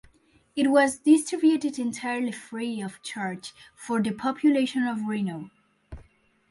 It was distributed entirely free of charge for the population of Reno.